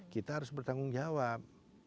kita harus bertanggung jawab